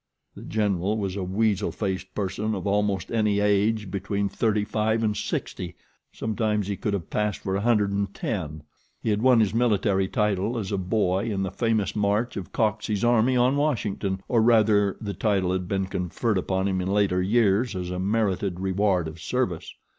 The General was a weasel faced person of almost any age between thirty five and sixty. Sometimes he could have passed for a hundred and ten. He had won his military title as a boy in the famous march of Coxey's army on Washington, or, rather, the title had been conferred upon him in later years as a merited reward of service.